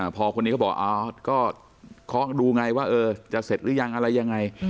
พอคนนี้ก็บอกข้อดูไงว่าเออจะเสร็จหรือยังอะไรยังไง